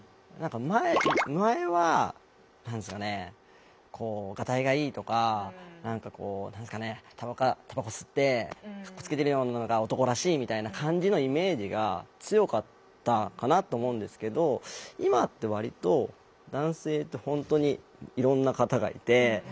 前は何ですかねガタイがいいとか何かこうたばこ吸ってかっこつけてるようなのが男らしいみたいな感じのイメージが強かったかなと思うんですけど今って割と男性って本当にいろんな方がいて。